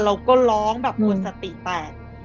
แล้วก็คล้องวลสติแตก